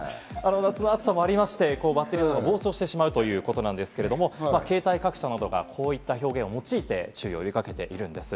夏の暑さもありまして、バッテリーが膨張してしまうということですけど、携帯各社などがこういった表現を用いて、注意を呼びかけています。